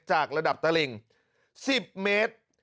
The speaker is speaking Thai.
จากระดับตะหลิ่ง๑๐เมตร